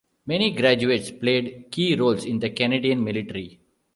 Many graduates played key roles in the Canadian military.